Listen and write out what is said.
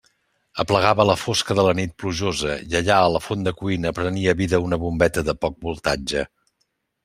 Aplegava la fosca de la nit plujosa i allà a la fonda cuina prenia vida una bombeta de poc voltatge.